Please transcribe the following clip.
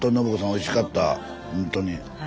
おいしかったほんとに。